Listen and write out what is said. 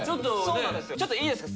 ちょっといいですか？